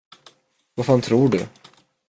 Vad fan tror du?